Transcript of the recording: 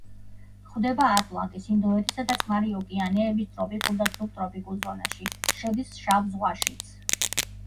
გვხვდება ატლანტის, ინდოეთისა და წყნარი ოკეანეების ტროპიკულ და სუბტროპიკულ ზონაში, შედის შავ ზღვაშიც.